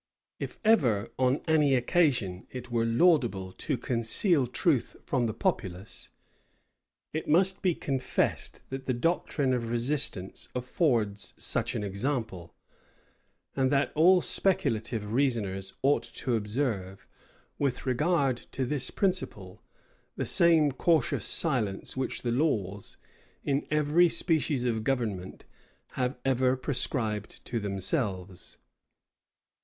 If ever, on any occasion, it were laudable to conceal truth from the populace, it must be confessed, that the doctrine of resistance affords such an example; and that all speculative reasoners ought to observe, with regard to this principle, the same cautious silence which the laws, in every species of government, have ever prescribed to themselves.